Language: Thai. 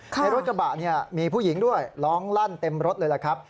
ในรถกระบะเนี่ยมีผู้หญิงด้วยร้องลั่นเต็มรถเลยล่ะครับ